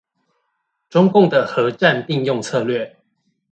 中共的和戰並用策略